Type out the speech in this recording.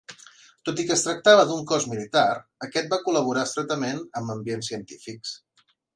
Tot i que es tractava d'un cos militar, aquest va col·laborar estretament amb ambients científics.